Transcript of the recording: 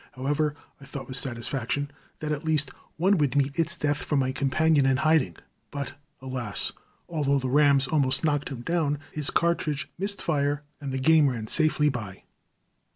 However, I thought with satisfaction that at least one would meet its death from my companion in hiding; but, alas! although the rams almost knocked him down, his cartridge missed fire, and the game ran safely by.